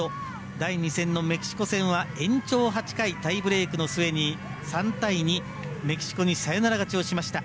第２戦のメキシコ戦は延長８回タイブレークの末に３対２メキシコにサヨナラ勝ちをしました。